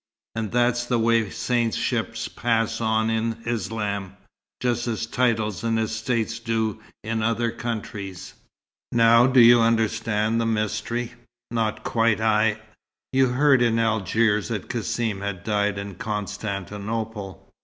And that's the way saintships pass on in Islam, just as titles and estates do in other countries. Now do you begin to understand the mystery?" "Not quite. I " "You heard in Algiers that Cassim had died in Constantinople?"